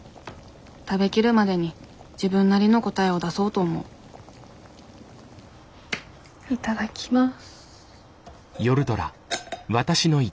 食べきるまでに自分なりの答えを出そうと思ういただきます。